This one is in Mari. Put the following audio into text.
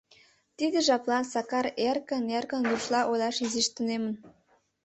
Тиде жаплан Сакар эркын-эркын рушла ойлаш изиш тунемын.